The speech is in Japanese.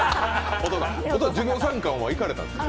授業参観は行かれたんですか？